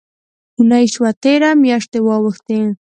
اوونۍ شوه تېره، میاشتي واوښتې